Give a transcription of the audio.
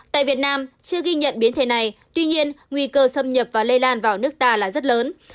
tại việt nam chưa ghi nhận biến thể này tuy nhiên nguy cơ xâm nhập và lây lan vào nước ta là rất lớn